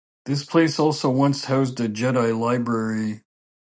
This place also once housed a Jedi library.